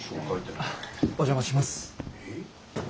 お邪魔します。